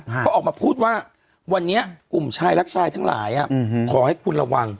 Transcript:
เขาออกมาพูดว่าวันนี้กลุ่มชายรักชายทั้งหลายขอให้คุณระวัง